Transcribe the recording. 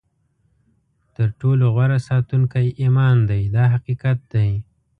تر ټولو غوره ساتونکی ایمان دی دا حقیقت دی.